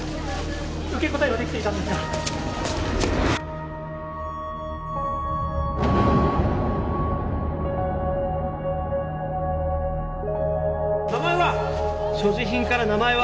受け答えはできていたんですが・名前は？